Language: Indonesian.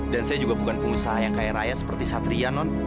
dan saya juga bukan pengusaha yang kaya raya seperti satria non